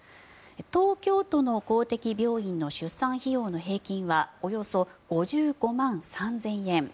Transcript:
東京都の公的病院の出産費用の平均はおよそ５５万３０００円。